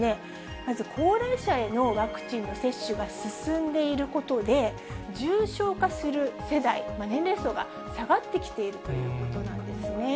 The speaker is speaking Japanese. まず、高齢者へのワクチンの接種が進んでいることで、重症化する世代、年齢層が下がってきているということなんですね。